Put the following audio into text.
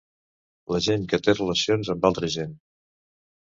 La gent que té relacions amb altre gent.